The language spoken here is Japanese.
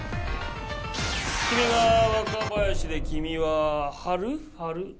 君が若林で君ははる？